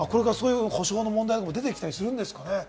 補償の問題とかもこれから出てきたりするんですかね？